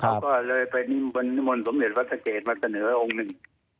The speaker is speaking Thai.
เขาก็เลยไปมีมนต์สมเจษฐ์วัฏษเกษมาเสนอให้องค์นึง